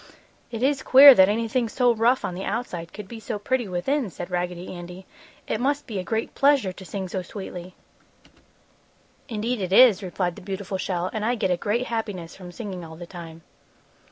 "It is queer that anything so rough on the outside could be so pretty within!" said Raggedy Andy. "It must be a great pleasure to be able to sing so sweetly!" "Indeed it is," replied the beautiful shell, "and I get a great happiness from singing all the time."